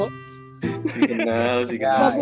si kenal si kak